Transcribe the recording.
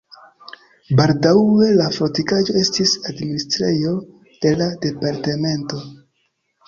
Baldaŭe la fortikaĵo estis administrejo de la departemento.